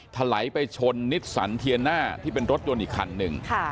ถลายไปชนนิสสันเทียน่าที่เป็นรถยนต์อีกคันหนึ่ง